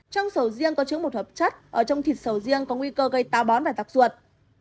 trong sầu riêng có chứa một hợp chất ở trong thịt sầu riêng có nguy cơ gây tao bón và tạc ruột